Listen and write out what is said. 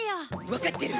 わかってる！